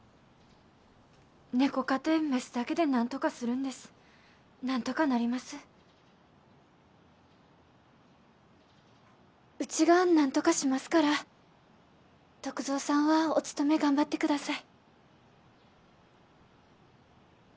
猫かて雌だけで何とかするんです何とかなりますうちが何とかしますから篤蔵さんはお勤め頑張ってください